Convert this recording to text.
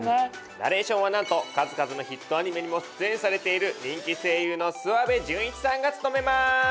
ナレーションはなんと数々のヒットアニメにも出演されている人気声優の諏訪部順一さんが務めます！